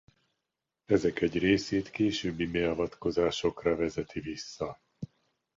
Ezek egy részét későbbi beavatkozásokra vezeti vissza.